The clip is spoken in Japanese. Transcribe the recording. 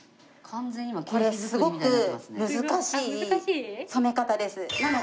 これすごく難しい染め方です。